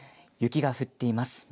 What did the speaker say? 雪が降っています。